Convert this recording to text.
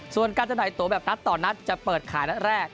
ส่วนการจำหน่ายตัวแบบนัดต่อนัดจะเปิดขายนัดแรก